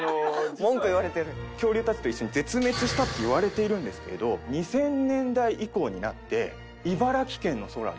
恐竜たちと一緒に絶滅したっていわれているんですけど２０００年代以降になって茨城県の空で。